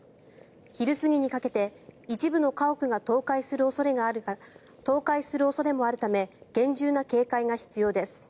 昼過ぎにかけて一部の家屋が倒壊する恐れもあるため厳重な警戒が必要です。